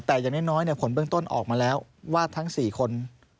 แต่อย่างน้อยผลเบื้องต้นออกมาแล้วว่าทั้ง๔คน